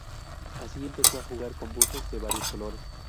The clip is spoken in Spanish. Así, empezó a jugar con buzos de varios colores.